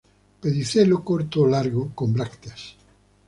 Pedicelo corto o largo, con brácteas.